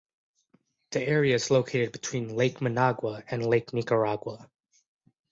The area is located between Lake Managua and Lake Nicaragua.